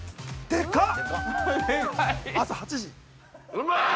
◆うまい。